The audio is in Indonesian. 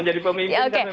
jadi itu itu itu itu itu